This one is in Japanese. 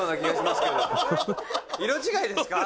「色違いですか？」